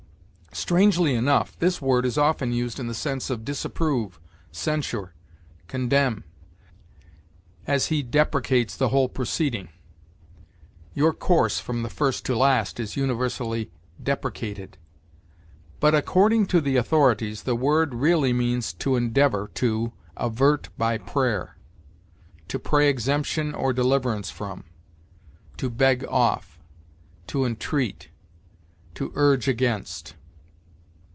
Strangely enough, this word is often used in the sense of disapprove, censure, condemn; as, "He deprecates the whole proceeding"; "Your course, from first to last, is universally deprecated." But, according to the authorities, the word really means, to endeavor to avert by prayer; to pray exemption or deliverance from; to beg off; to entreat; to urge against.